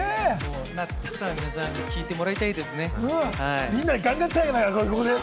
夏、たくさん皆さんに聴いていただきたいですね。